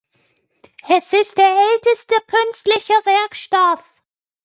Es ist der älteste künstliche Werkstoff.